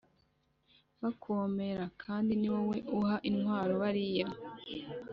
bakomera l kandi ni wowe uha intwaro bariya